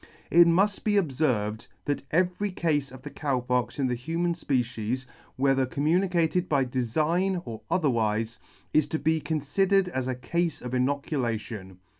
It muft be obferved, that every cafe of Cow Pox in the human fpecies, whether com municated by defign or otherwife, is to be confidered as a cafe of inoculation.